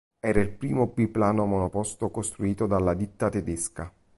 Era il primo biplano monoposto costruito dalla ditta tedesca.